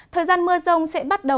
thời gian mưa rông sẽ bắt đầu đẩy